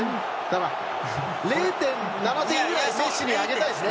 ０．７点ぐらいメッシにあげたいですね。